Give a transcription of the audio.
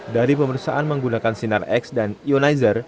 dari pemeriksaan menggunakan sinar x dan ionizer